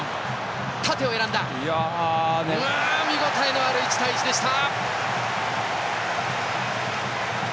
見応えのある１対１でした！